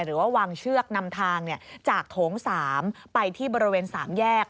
หรือว่าวางเชือกนำทางจากโถง๓ไปที่บริเวณ๓แยก